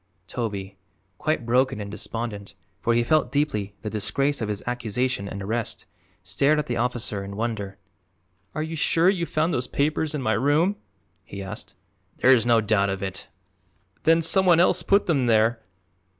Toby, quite broken and despondent, for he felt deeply the disgrace of his accusation and arrest, stared at the officer in wonder. "Are you sure you found those papers in my room?" he asked. "There is no doubt of it." "Then some one else put them there.